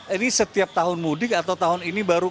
ini setiap tahun mudik atau tahun ini baru